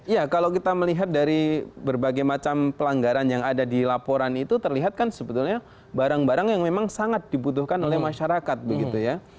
ya kalau kita melihat dari berbagai macam pelanggaran yang ada di laporan itu terlihat kan sebetulnya barang barang yang memang sangat dibutuhkan oleh masyarakat begitu ya